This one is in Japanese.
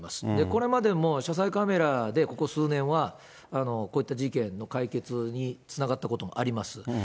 これまでも車載カメラでここ数年は、こういった事件の解決につながったこともあります。